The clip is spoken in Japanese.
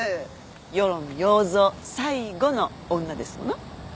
与論要造最後の女ですもの。